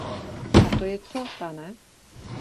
A to je co, pane?